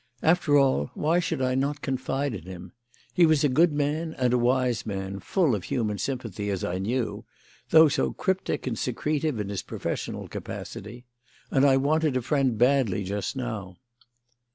After all, why should I not confide in him? He was a good man and a wise man, full of human sympathy, as I knew, though so cryptic and secretive in his professional capacity. And I wanted a friend badly just now.